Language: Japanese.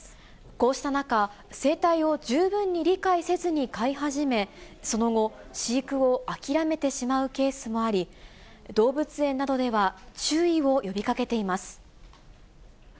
こうした中、生態を十分に理解せずに飼い始め、その後、飼育を諦めてしまうケースもあり、動物園などでは、注意を呼びかけています。